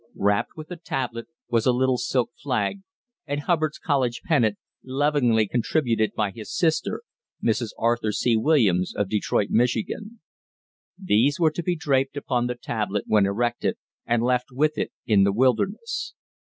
Wrapped with the tablet was a little silk flag and Hubbard's college pennant, lovingly contributed by his sister, Mrs. Arthur C. Williams, of Detroit, Michigan. These were to be draped upon the tablet when erected and left with it in the wilderness.